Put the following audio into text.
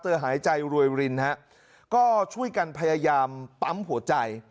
หายใจรวยรินฮะก็ช่วยกันพยายามปั๊มหัวใจ